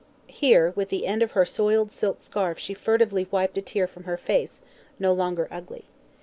(Here, with the end of her soiled silk scarf she furtively wiped a tear from her face, no longer ugly.)